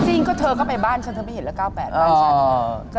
จริงก็เธอก็ไปบ้านฉันเธอไม่เห็นแล้ว๙๘บ้านฉัน